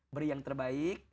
beri yang terbaik